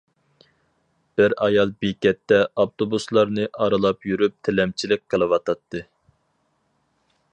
بىر ئايال بېكەتتە ئاپتوبۇسلارنى ئارىلاپ يۈرۈپ تىلەمچىلىك قىلىۋاتاتتى.